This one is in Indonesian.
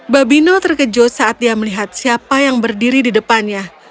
babino terkejut saat dia melihat siapa yang berdiri di depannya